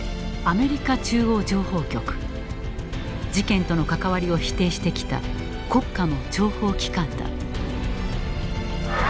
事件との関わりを否定してきた国家の諜報機関だ。